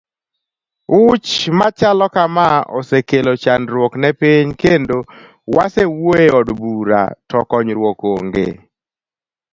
Wch machalo kama osekelo chandruok ne piny kendo wasewuoye od bura to konyruok onge.